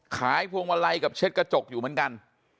พวงมาลัยกับเช็ดกระจกอยู่เหมือนกัน